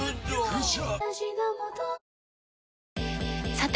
さて！